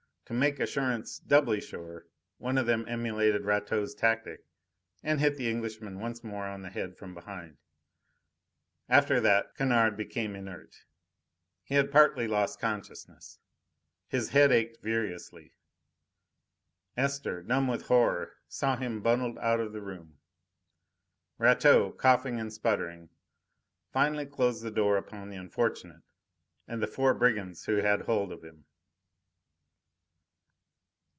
To make assurance doubly sure, one of them emulated Rateau's tactics, and hit the Englishman once more on the head from behind. After that, Kennard became inert; he had partly lost consciousness. His head ached furiously. Esther, numb with horror, saw him bundled out of the room. Rateau, coughing and spluttering, finally closed the door upon the unfortunate and the four brigands who had hold of him.